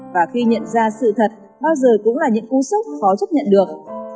và khi nhận ra sự thật bao giờ cũng là những cú sốc khó chấp nhận được